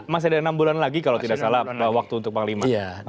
masih ada enam bulan lagi kalau tidak salah waktu untuk panglima